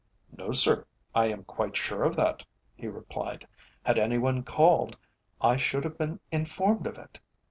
"No, sir, I am quite sure of that," he replied; "had any one called I should have been informed of it."